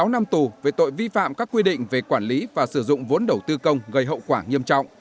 sáu năm tù về tội vi phạm các quy định về quản lý và sử dụng vốn đầu tư công gây hậu quả nghiêm trọng